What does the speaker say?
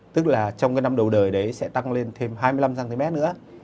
tức là trong năm đầu đời sẽ tăng lên thêm hai mươi năm cm nữa